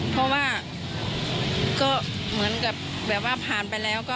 เพราะว่าก็เหมือนกับแบบว่าผ่านไปแล้วก็